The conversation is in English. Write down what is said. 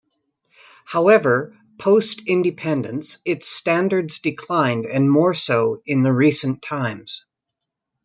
However, post independence its standards declined and more so in the recent times.